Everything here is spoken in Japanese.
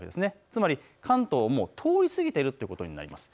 つまり関東をもう通り過ぎているということになります。